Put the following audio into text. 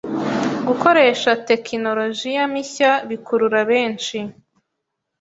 Gukoresha tekinolojiya mishya bikurura benshi.